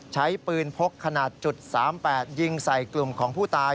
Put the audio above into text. ใช้ปืนพกขนาด๓๘ยิงใส่กลุ่มของผู้ตาย